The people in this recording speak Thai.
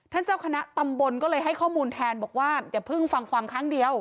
เจ้าคณะตำบลก็เลยให้ข้อมูลแทนบอกว่าอย่าเพิ่งฟังความครั้งเดียว